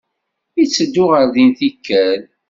Itteddu ɣer din tikkal.